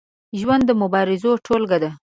ژوند د مبارزو ټولګه ده.